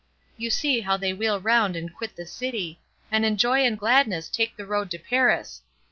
You see how they wheel round and quit the city, and in joy and gladness take the road to Paris.